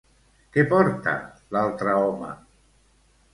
Què porta l'altre home?